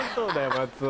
松尾。